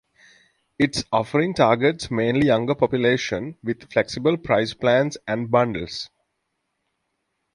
Its offering targets mainly younger population, with flexible price plans and bundles.